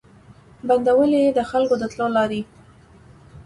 بندولې یې د خلکو د تلو لاري